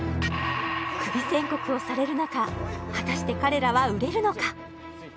クビ宣告をされる中果たして彼らは売れるのか？